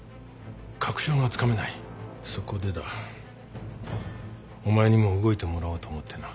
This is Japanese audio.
そこでだお前にも動いてもらおうと思ってな。